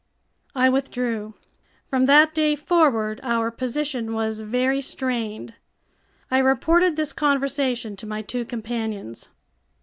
I withdrew. From that day forward our position was very strained. I reported this conversation to my two companions.